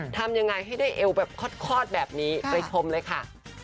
ทำยังไงให้ได้เอวแบบคลอดแบบนี้ไปชมเลยค่ะ